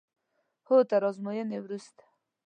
هو تر ازموینې وروسته.